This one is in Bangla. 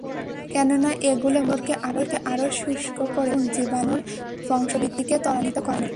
কেননা, এগুলো মুখগহ্বরকে আরও শুষ্ক করে তোলে এবং জীবাণুর বংশবৃদ্ধিকে ত্বরান্বিত করে।